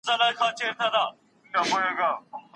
که په ژبه نه پوهيږي نو دا غټ عيب نه دی.